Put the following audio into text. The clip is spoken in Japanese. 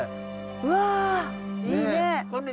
うわいいね！